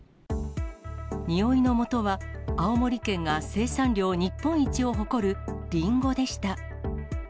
においの元は、青森県が生産量日本一を誇るりんごでした。